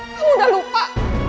kamu udah lupa